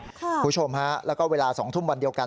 คุณผู้ชมฮะแล้วก็เวลา๒ทุ่มวันเดียวกัน